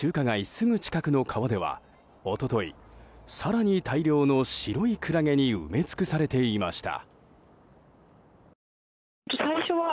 すぐ近くの川では一昨日、更に大量の白いクラゲに埋め尽くされていました。